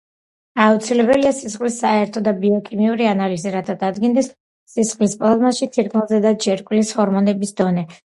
აუცილებელია სისხლის საერთო და ბიოქიმიური ანალიზი, რათა დადგინდეს სისხლის პლაზმაში თირკმელზედა ჯირკვლის ჰორმონების დონე.